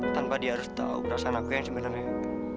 tanpa dia harus tau perasaanku yang sebenernya